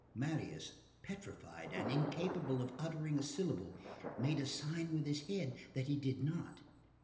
Marius, petrified and incapable of uttering a syllable, made a sign with his head that he did not.